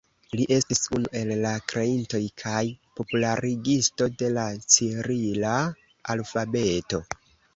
Li estis unu el la kreintoj kaj popularigisto de la cirila alfabeto.